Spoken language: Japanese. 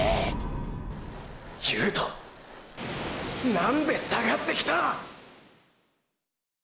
何ンで下がってきたァ！！